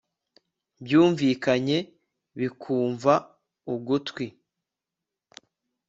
byumvikanye, bikunva ugutwi